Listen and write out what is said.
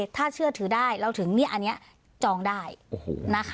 ถ้าเชื่อถือได้เราถึงอันนี้จองได้นะคะ